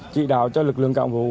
chị đào cho lực lượng cạm vụ